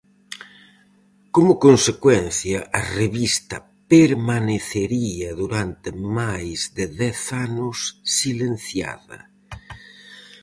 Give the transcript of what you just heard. Como consecuencia, a revista permanecería durante máis de dez anos silenciada.